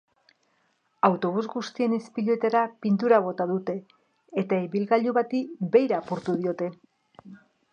Autobus guztien ispiluetara pintura bota dute, eta ibilgailu bati beira apurtu diote.